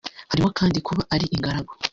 Harimo kandi kuba ari ingaragu